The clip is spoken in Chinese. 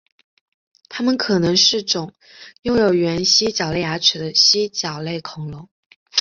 它们可能是种拥有原蜥脚类牙齿的蜥脚类恐龙。